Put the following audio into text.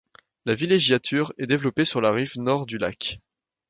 La villégiature est développée sur la rive nord du lac.